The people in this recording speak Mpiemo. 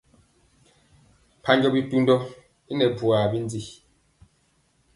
Mpanjɔ bitundɔ i nɛ bwaa bindi.